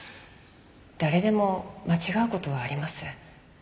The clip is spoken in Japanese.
誰でも間違う事はあります。